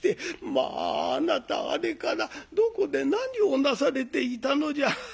「まああなたあれからどこで何をなされていたのじゃ」。